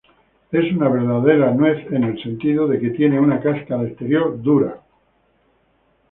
Es una verdadera nuez en el sentido de que tiene una cáscara exterior dura.